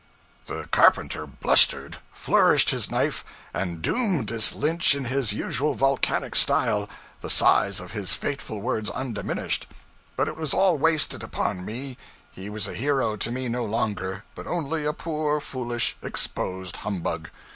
The carpenter blustered, flourished his knife, and doomed this Lynch in his usual volcanic style, the size of his fateful words undiminished; but it was all wasted upon me; he was a hero to me no longer, but only a poor, foolish, exposed humbug.